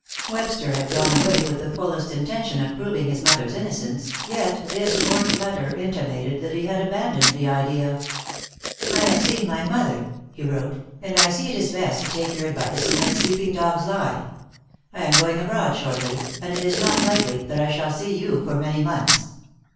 Webster had gone away with the fullest intention of proving his mother's innocence, yet this short letter intimated that he had abandoned the idea. "I have seen my mother," he wrote, "and I see it is best to take your advice and let sleeping dogs lie. I am going abroad shortly, and it is not likely that I shall see you for many months.